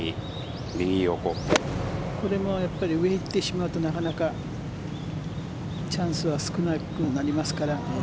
これも上に行ってしまうとなかなかチャンスは少なくなりますから。